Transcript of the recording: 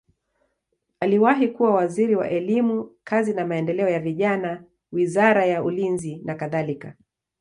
Aliwahi kuwa waziri wa elimu, kazi na maendeleo ya vijana, wizara ya ulinzi nakadhalika.